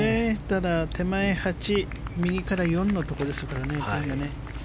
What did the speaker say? ただ、手前８右から４のところですからね。